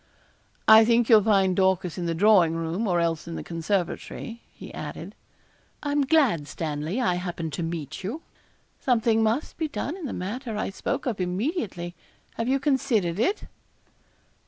'I think you'll find Dorcas in the drawing room, or else in the conservatory,' he added. 'I am glad, Stanley, I happened to meet you. Something must be done in the matter I spoke of immediately. Have you considered it?'